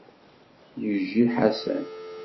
Yejji Ḥasan.